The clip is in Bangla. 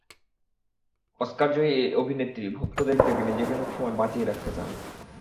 অস্কারজয়ী এই অভিনেত্রী ভক্তদের ভিড় থেকে নিজেকে সব সময় বাঁচিয়ে রাখতে চান।